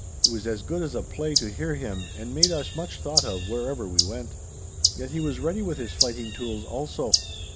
It was as good as a play to hear him, and made us much thought of whereever we went. Yet he was ready with his fighting tools also.